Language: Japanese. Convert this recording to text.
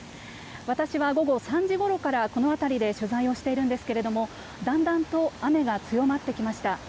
私は午後３時ごろからこの辺りで取材をしているんですがだんだんと雨が強まってきました。